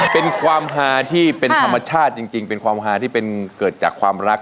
เป็นความฮาที่เป็นธรรมชาติจริงเป็นความฮาที่เป็นเกิดจากความรัก